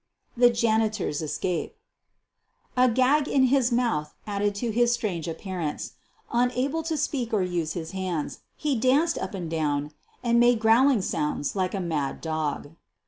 THE JANITOR'S ESCAPE A gag in his mouth added to his strange appear ance. Unable to speak or use his hands, he danced up and down and made growling sounds like a mad dog.